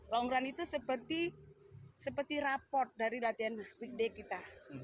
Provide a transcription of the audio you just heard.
long run itu seperti raport dari latihan weekday kita